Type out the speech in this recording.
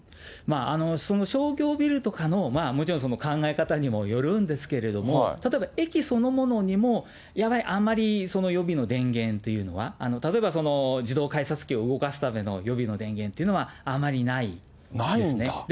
その商業ビルとかのもちろん、考え方にもよるんですけれども、例えば駅そのものにも、あんまり予備の電源というのは、例えば、自動改札機を動かすための予備の電源というのはあまりないんですないんだ？